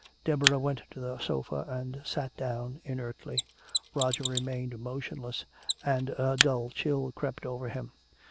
Deborah went to the sofa and sat down inertly. Roger remained motionless, and a dull chill crept over him.